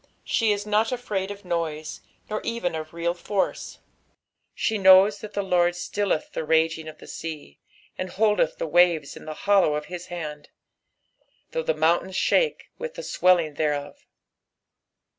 She is not afrud of noise, nor even of real force, she knows that the Lord Btilleth the raging of the sea, and hotdeth the wavea in the hollow of hia band. "TA/mgh the rrumnliiin* thaie tcith the tieeUing thereof.